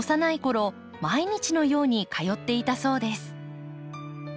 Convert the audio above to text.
毎日のように通っていたそうです。